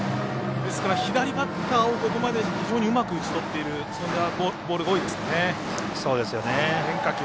ですから左バッターをここまで非常にうまく打ち取っているそんなボールが多いですかね。